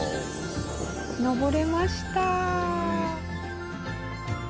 上れました。